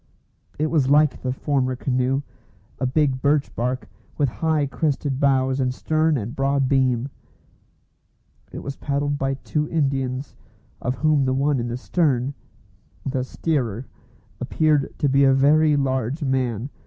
It was like the former canoe, a big birch bark, with high crested bows and stern and broad beam. It was paddled by two Indians, of whom the one in the stern the steerer appeared to be a very large man.